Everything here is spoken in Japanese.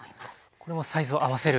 これもサイズを合わせる？